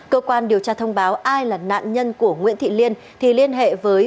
cơ quan điều tra thông báo ai là nạn nhân của nguyễn thị liên thì liên hệ với